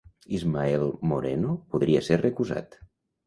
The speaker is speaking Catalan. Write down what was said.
Ismael Moreno podria ser recusat